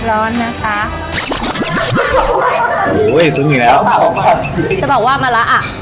ร้อนนะคะโอ้โหอีกสุดหนึ่งแล้วจะบอกว่ามะละอ่ะ